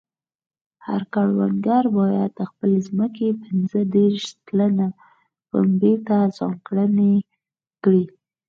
هر کروندګر باید د خپلې ځمکې پنځه دېرش سلنه پنبې ته ځانګړې کړي.